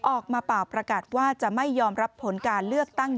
ออกมาเป่าประกาศว่าจะไม่ยอมรับผลการเลือกตั้ง